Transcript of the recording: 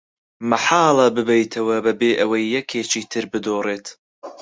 مەحاڵە ببەیتەوە بەبێ ئەوەی یەکێکی تر بدۆڕێت.